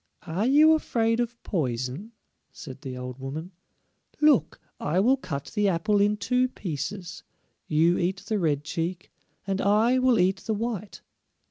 "Are you afraid of poison?" said the old woman. "Look, I will cut the apple in two pieces; you eat the red cheek, and I will eat the white."